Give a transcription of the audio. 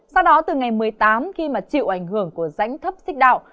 sau đó từ ngày một mươi tám khi mà chịu ảnh hưởng của rãnh thấp xích đạo